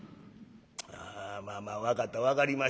ああまあまあ分かった分かりました。